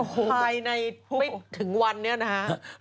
ภายในไปถึงวันนี้นะฮะ